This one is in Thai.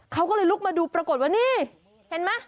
เขาก็เลยลุกมาดูปรากฏว่านี่เห็นไหม